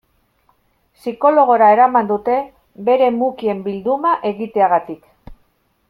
Psikologora eraman dute bere mukien bilduma egiteagatik.